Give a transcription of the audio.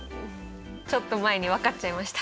ちょっと前に分かっちゃいました。